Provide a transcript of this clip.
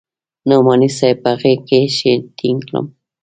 نعماني صاحب په غېږ کښې ټينګ کړم.